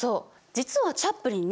実はチャップリンね